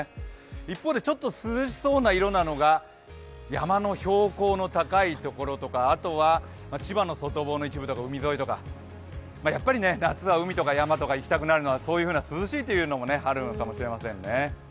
一方で涼しそうな色なのが山の標高の高いところとかあとは千葉の外房の一部とか海沿いとか、やっぱり夏は海とか山とか行きたくなるのは、そういう涼しいというのもあるのかもしれませんね。